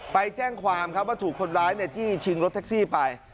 ไปแจ้งความครับว่าถูกคนร้ายจี้ชิงรถแท็กซี่ไป